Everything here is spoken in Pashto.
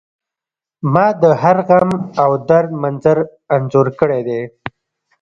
ما د هر غم او درد منظر انځور کړی دی